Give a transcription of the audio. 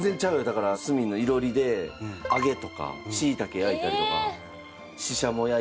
だから炭の囲炉裏で揚げとかしいたけ焼いたりとかシシャモ焼いたりとか。